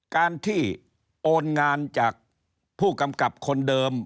การที่โอนงานจากผู้กำกับคนเดิม